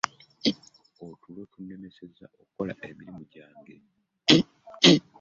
Otulo tunnemesezza okukola emirimu gyange